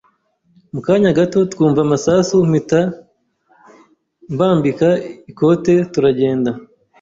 mukanya gato twumva amasasu mpita mbambika ibikote turagenda